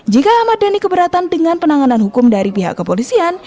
jika ahmad dhani keberatan dengan penanganan hukum dari pihak kepolisian